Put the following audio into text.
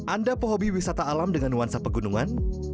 anda pehobi wisata alam dengan nuansa pegunungan